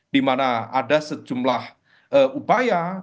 dimana ada sejumlah upaya